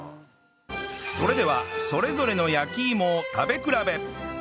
それではそれぞれの焼き芋を食べ比べ